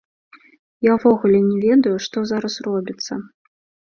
Я ўвогуле не ведаю, што зараз робіцца.